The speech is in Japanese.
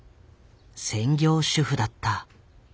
専業主婦だった。